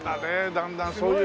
だんだんそういう。